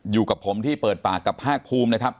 อยู่กับผมที่เปิดปากกับภาคภูมินะครับ